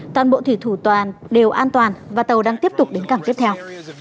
toàn bộ thủy thủ toàn đều an toàn và tàu đang tiếp tục đến cảng tiếp theo